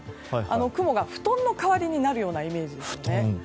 雲が布団の代わりになるようなイメージです。